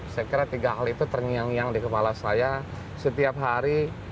saya kira tiga hal itu terngiang ngiang di kepala saya setiap hari